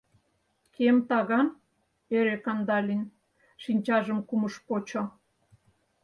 «Кем таган?! — ӧрӧ Кандалин, шинчажым кумыш-почо.